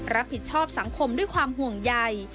รับผิดชอบสังคมด้วยความห่วงใย